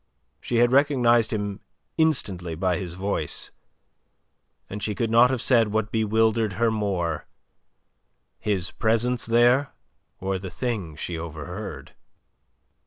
She had recognized him instantly by his voice, and she could not have said what bewildered her more: his presence there or the thing she overheard.